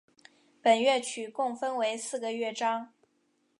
本乐曲共分为四个乐章。